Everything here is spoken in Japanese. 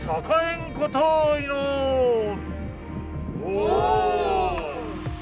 お。